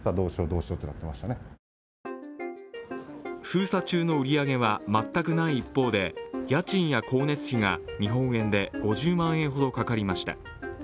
封鎖中の売り上げは全くない一方で、家賃や光熱費が日本円で５０万円ほどかかりました。